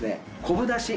昆布だし。